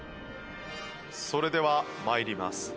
それでは参ります。